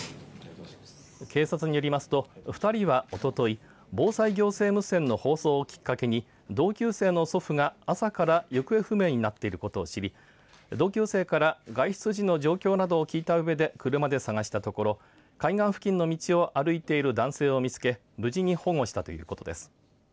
警察によりますと２人はおととい防災行政無線の放送をきっかけに同級生の祖父が朝から行方不明になっていることを知り同級生から外出時の状況などを聞いたうえで車で探したところ海岸付近の道を歩いている男性を見つけ無事に保護したということです。